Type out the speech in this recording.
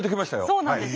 そうなんです。